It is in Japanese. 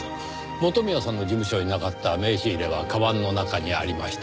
元宮さんの事務所になかった名刺入れは鞄の中にありました。